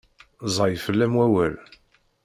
Ẓẓay fell-am wawal.